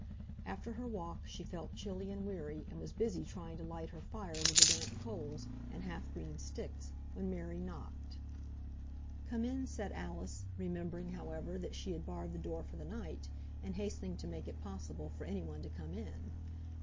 After her walk she felt chilly and weary, and was busy trying to light her fire with the damp coals, and half green sticks, when Mary knocked. "Come in," said Alice, remembering, however, that she had barred the door for the night, and hastening to make it possible for any one to come in.